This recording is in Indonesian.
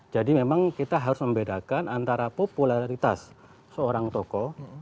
jadi memang kita harus membedakan antara popularitas seorang tokoh